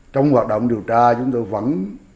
trong hoạt động điều tra chúng tôi vẫn